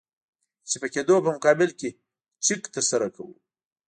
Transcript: د چپه کېدو په مقابل کې چک ترسره کوو